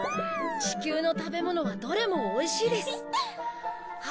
チキュウの食べ物はどれもおいしいです。